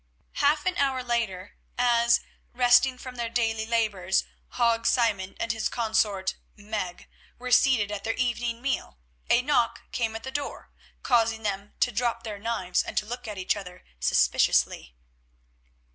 Half an hour later, as, resting from their daily labours, Hague Simon and his consort Meg were seated at their evening meal, a knock came at the door, causing them to drop their knives and to look at each other suspiciously.